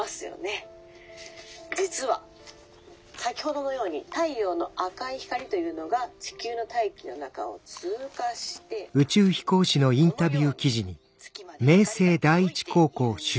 実は先ほどのように太陽の赤い光というのが地球の大気の中を通過してでこのように月まで光が届いているんです。